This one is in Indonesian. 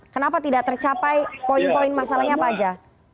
kenapa tidak tercapai poin poin masalahnya apa aja